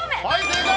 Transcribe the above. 正解。